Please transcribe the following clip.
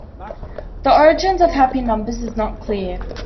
The origin of happy numbers is not clear.